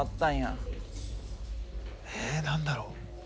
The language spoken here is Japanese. へえ何だろう？